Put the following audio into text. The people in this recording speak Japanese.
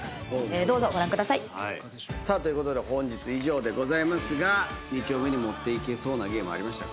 どうぞご覧ください。ということで本日以上ですが二丁目に持っていけそうなゲームありましたか？